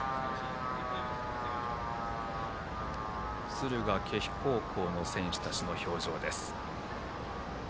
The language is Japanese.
敦賀気比高校の選手たちの表情です。